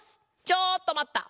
ちょっとまった！